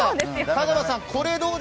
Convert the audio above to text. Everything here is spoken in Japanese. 香川さん